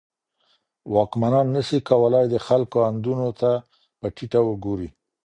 واکمنان نه سي کولای د خلګو آندونو ته په ټيټه وګوري.